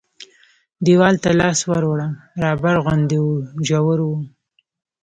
دیوال ته لاس ور ووړ رابر غوندې و ژور و.